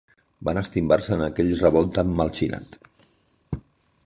Van estimbar-se en aquell revolt tan mal xinat.